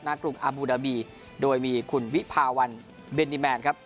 กรุงอาบูดาบีโดยมีคุณวิภาวันเบนนิแมนครับ